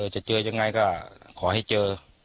จะเจอยังไงก็ขอให้เจอ